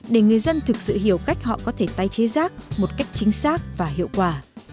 để người dân thực sự hiểu cách họ có thể tái chế rác một cách chính xác và hiệu quả